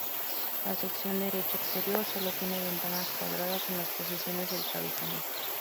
La sección derecha exterior solo tiene ventanas cuadradas en las posiciones del travesaño.